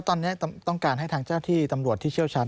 ตอนนี้ต้องการให้ทางเจ้าที่ตำรวจที่เชี่ยวชาญ